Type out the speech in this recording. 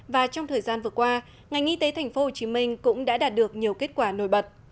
và trong thời gian vừa qua ngành y tế tp hcm cũng đã đạt được nhiều kết quả nổi bật